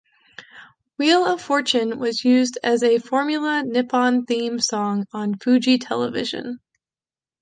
"Wheel of Fortune" was used as a Formula Nippon theme song on Fuji Television.